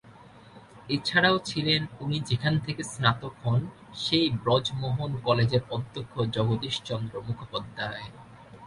এছারাও ছিলেন উনি যেখান থেকে স্নাতক হন, সেই ব্রজমোহন কলেজের অধ্যক্ষ জগদীশ চন্দ্র মুখোপাধ্যায়।